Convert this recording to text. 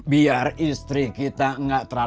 biar istri kita bisa mencintai bisa mencintai bisa mencintai